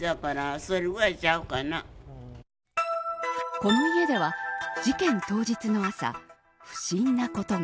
この家では、事件当日の朝不審なことが。